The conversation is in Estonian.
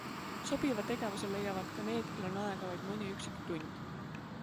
Sobiva tegevuse leiavad ka need, kel on aega vaid mõni üksik tund.